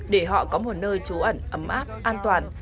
để họ có một nơi trú ẩn ấm áp an toàn